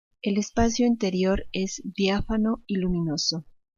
El espacio interior es diáfano y luminoso.